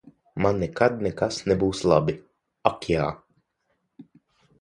Man nekad nekas nebūs labi. Ak jā.